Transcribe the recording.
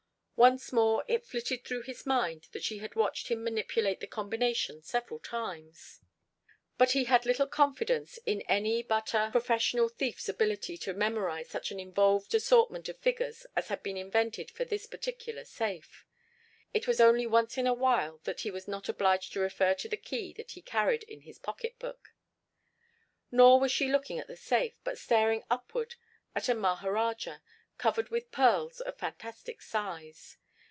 Once more it flitted through his mind that she had watched him manipulate the combination several times, but he had little confidence in any but a professional thief's ability to memorize such an involved assortment of figures as had been invented for this particular safe. It was only once in a while that he was not obliged to refer to the key that he carried in his pocketbook. Nor was she looking at the safe, but staring upward at a maharajah, covered with pearls of fantastic size.